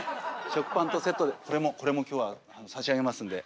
食パンとセットでこれもこれも今日は差し上げますんで。